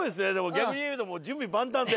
逆に言うと準備万端で。